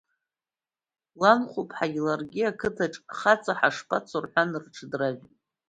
Ланхәԥҳагьы ларгьы, ақыҭаҿ хаҵа ҳашԥацо рҳәан, рҽыдражәит.